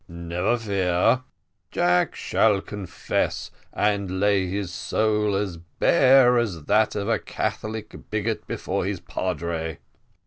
"Never fear, Jack shall confess, and lay his soul as bare as that of a Catholic bigot before his padre."